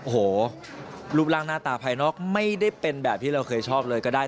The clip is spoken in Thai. โอ้โหรูปร่างหน้าตาภายนอกไม่ได้เป็นแบบที่เราเคยชอบเลยก็ได้